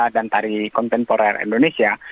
dan tari kontemporer indonesia